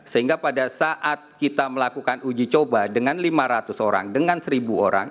sehingga pada saat kita melakukan uji coba dengan lima ratus orang dengan seribu orang